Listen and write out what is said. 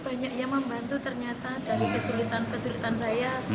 banyak yang membantu ternyata dari kesulitan kesulitan saya